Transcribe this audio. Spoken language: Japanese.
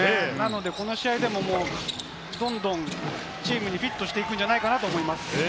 この試合でもどんどん、チームにフィットしていくんじゃないかと思います。